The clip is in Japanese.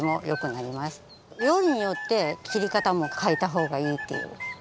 料理によって切り方もかえたほうがいいっていう。